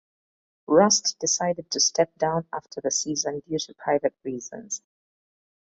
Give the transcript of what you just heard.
Rust decided to step down after the season due to private reasons.